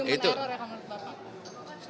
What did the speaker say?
itu human error ya